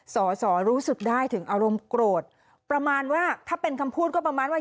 สอสอรู้สึกได้ถึงอารมณ์โกรธประมาณว่าถ้าเป็นคำพูดก็ประมาณว่า